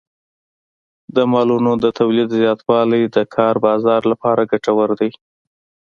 د مالونو د تولید زیاتوالی د کار بازار لپاره ګټور دی.